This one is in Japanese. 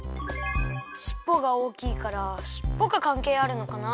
しっぽがおおきいからしっぽがかんけいあるのかな？